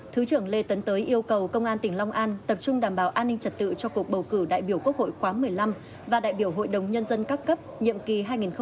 thứ trưởng lê tấn tới yêu cầu công an tỉnh long an tập trung đảm bảo an ninh trật tự cho cuộc bầu cử đại biểu quốc hội khóa một mươi năm và đại biểu hội đồng nhân dân các cấp nhiệm kỳ hai nghìn hai mươi một hai nghìn hai mươi sáu